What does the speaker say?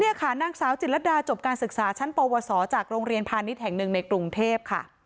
นี่ค่ะนางสาวจิตรดาจบการศึกษาชั้นปวสจากโรงเรียนพาณิชย์แห่งหนึ่งในกรุงเทพค่ะ